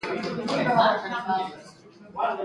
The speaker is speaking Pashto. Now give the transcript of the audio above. ایا زه باید په فاریاب کې اوسم؟